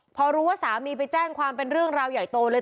พอรู้ว่าสามีไปแจ้งความเป็นเรื่องราวใหญ่โตเลย